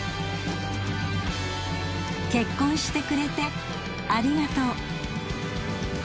結婚してくれてありがとう。